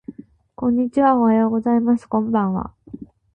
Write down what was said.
こんにちはおはようございますこんばんは